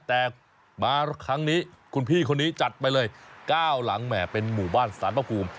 แต่มาครั้งนี้คุณพี่คนนี้จัดไปเลย๙หลังแหมเป็นหมู่บ้านสารพระภูมิ